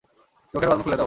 চোখের বাঁধন খুলে দাও।